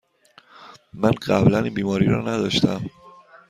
من قبلاً این بیماری را نداشتم.